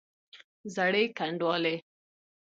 زړې ګنډوالې!